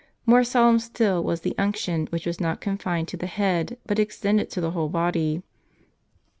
More solemn still was the unction, which was not confined to the head, but extended to the whole body.